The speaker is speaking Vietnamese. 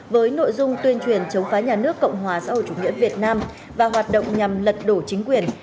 với nội dung tuyên truyền chống phá nhà nước cộng hòa xã hội chủ nghĩa việt nam và hoạt động nhằm lật đổ chính quyền